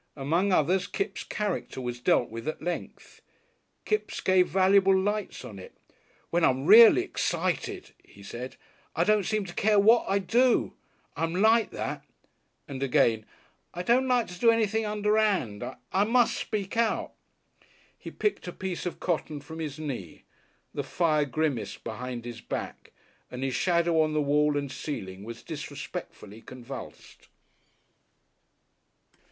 Among others Kipps' character was dealt with at length. Kipps gave valuable lights on it. "When I'm reely excited," he said, "I don't seem to care what I do. I'm like that." And again, "I don't like to do anything under'and. I must speak out...." He picked a piece of cotton from his knee, the fire grimaced behind his back, and his shadow on the wall and ceiling was disrespectfully convulsed.